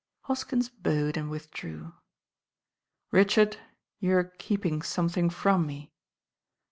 Hoskins bowed and withdrew. "Richard, you are keeping something from me."